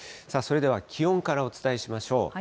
それでは気温からお伝えしましょう。